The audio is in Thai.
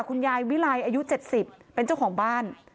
คุณยายวิไลอายุ๗๐เป็นเจ้าของบ้าน